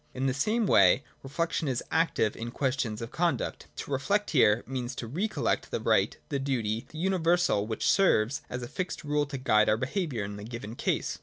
In the same way reflection is active in questions of conduct. To reflect here means to recollect the right, the duty,— the universal which serves as a fixed rule to guide our behaviour in the given case.